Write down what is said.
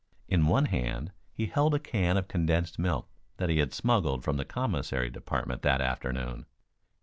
In one hand he held a can of condensed milk that he had smuggled from the commissary department that afternoon.